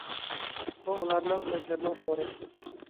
بۇ ئۇلارنىڭ ئۆزلىرىنىڭ شورى.